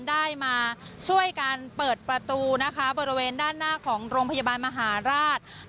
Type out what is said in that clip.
ได้มาช่วยกันเปิดประตูนะคะบริเวณด้านหน้าของโรงพยาบาลมหาราช